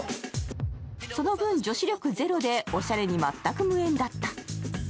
その分、女子力ゼロでおしゃれに全く無縁だった。